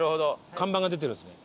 看板が出てるんですね。